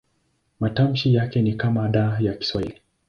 Matamshi yake ni kama D ya Kiswahili.